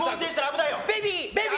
ベビー！